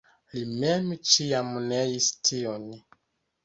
Li mem ĉiam neis tiun.